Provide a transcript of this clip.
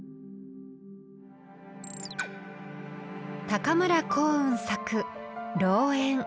高村光雲作「老猿」。